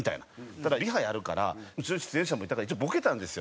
ただリハやるから後ろに出演者もいたから一応ボケたんですよ。